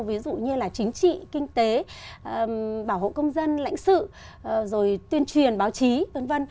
ví dụ như là chính trị kinh tế bảo hộ công dân lãnh sự rồi tuyên truyền báo chí v v